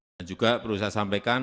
dan juga perlu saya sampaikan